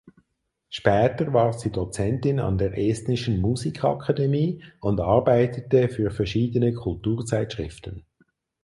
Später war sie Dozentin an der Estnischen Musikakademie und arbeitete für verschiedene Kulturzeitschriften.